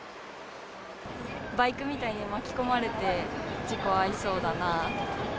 バイクみたいに巻き込まれて、事故遭いそうだなと。